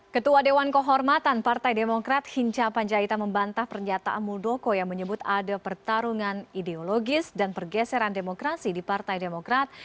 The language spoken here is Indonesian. ketua dewan kehormatan partai demokrat hinca panjaitan membantah pernyataan muldoko yang menyebut ada pertarungan ideologis dan pergeseran demokrasi di partai demokrat